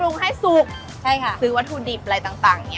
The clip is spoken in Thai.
ไม่เหนียวไม่ยุ่ยไม่เละใช่